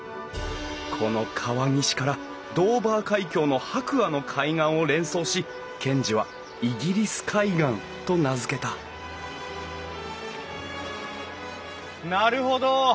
この川岸からドーバー海峡の白亜の海岸を連想し賢治はイギリス海岸と名付けたなるほど。